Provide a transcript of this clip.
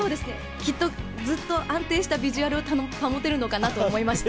きっとずっと安定したビジュアルを保てるのかなと思いまして。